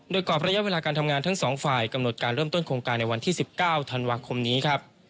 โดยกรอบระยะเวลาการทำงานทั้งสองฝ่ายกำหนดการเริ่มต้นโครงการในวันที่๑๙ธันวาคมนี้ครับ